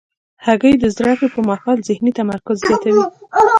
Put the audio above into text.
هګۍ د زده کړې پر مهال ذهني تمرکز زیاتوي.